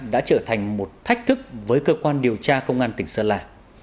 đã trở thành một thách thức với cơ quan điều tra công an tỉnh sơn la